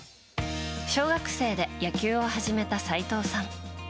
小学生で野球を始めた齋藤さん。